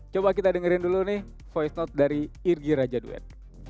coba kita dengerin dulu nih voice note dari irgi rajaduet